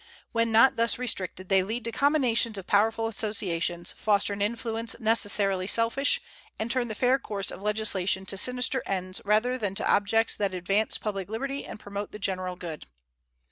When not thus restricted they lead to combinations of powerful associations, foster an influence necessarily selfish, and turn the fair course of legislation to sinister ends rather than to objects that advance public liberty and promote the general good.